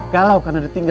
galau tinggal dengan